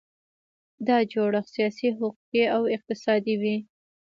دا جوړښت سیاسي، حقوقي او اقتصادي وي.